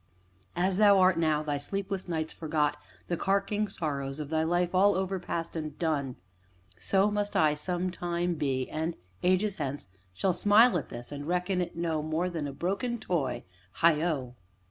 As thou art now, thy sleepless nights forgot the carking sorrows of thy life all overpast, and done so must I some time be, and, ages hence, shall smile at this, and reckon it no more than a broken toy heigho!